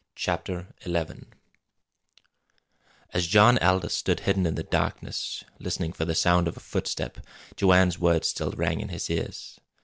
CHAPTER XI As John Aldous stood hidden in the darkness, listening for the sound of a footstep, Joanne's words still rang in his ears.